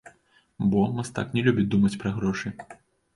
Бо, мастак не любіць думаць пра грошы.